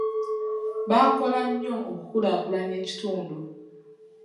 Baakola nnyo okukulaakulanya ekitundu.